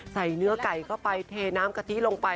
ใส่เนื้อไก่เข้าไปเทน้ำกะทิลงไป